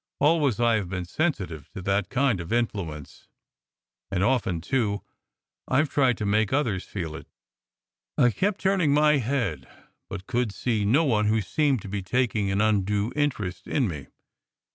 Always I have been sensitive to that kind of influence, and often, too, I ve tried to make others feel it. I kept turning my head, but could see no one who seemed to be taking an undue interest in me.